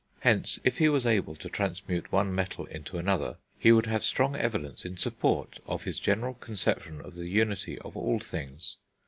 Hence, if he was able to transmute one metal into another, he would have strong evidence in support of his general conception of the unity of all things.